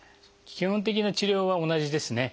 基本的な治療は同じですね。